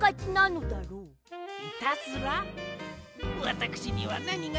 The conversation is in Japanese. わたくしにはなにがなにやら。